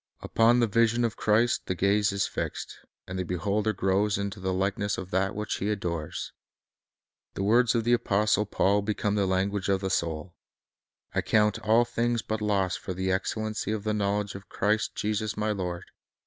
Upon the vision of Christ the gaze is fixed, and the beholder grows into the likeness of that which he adores. The words of the apostle Paul become the language of the soul: "I count all things but loss for the excellency of the knowledge of Christ Jesus my Lord